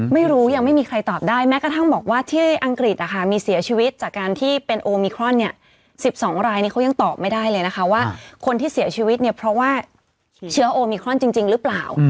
ไม่รู้ยังไม่มีใครตอบได้แม้กระทั่งบอกว่าที่อังกฤษมีเสียชีวิตจากการที่เป็นโอมิครอนเนี่ย๑๒รายนี้เขายังตอบไม่ได้เลยนะคะว่าคนที่เสียชีวิตเนี่ยเพราะว่าเชื้อโอมิครอนจริงหรือเปล่า